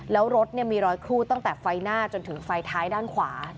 แล้วรถมีรอยครูดตั้งแต่ไฟหน้าจนถึงไฟท้ายด้านขวา